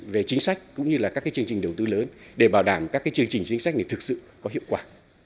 về chính sách cũng như là các chương trình đầu tư lớn để bảo đảm các chương trình chính sách này thực sự có hiệu quả